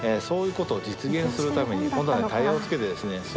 そういうことを実現するために本棚にタイヤをつけてですね